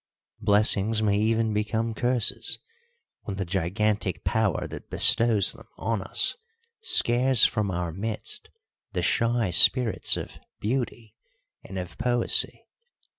Blessings may even become curses when the gigantic power that bestows them on us scares from our midst the shy spirits of Beauty and of Poesy.